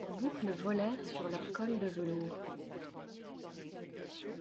Leurs boucles volèrent sur leurs cols de velours.